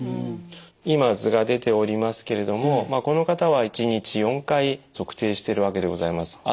今図が出ておりますけれどもこの方は１日４回測定しているわけでございます。